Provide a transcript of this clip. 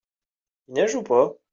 Il neige où pas ?